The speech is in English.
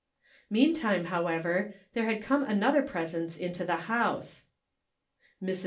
Meantime, however, there had come an other presence into the house. Mrs.